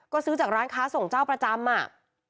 ก็ซื้อจากร้านค้าส่งเจ้าประจำอ่ะ